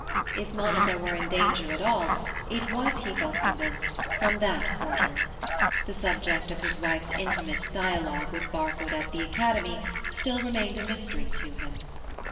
If Monica were in danger at all, it was, he felt convinced, from that quarter. The subject of his wife's intimate dialogue with Barfoot at the Academy still remained a mystery to him.